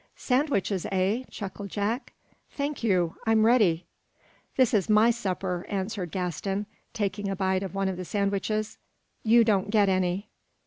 "Sandwiches, eh?" chuckled Jack. "Thank you. I'm ready." "This is my supper," answered Gaston, taking a bite of one of the sandwiches. "You don't get any."